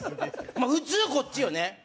普通こっちよね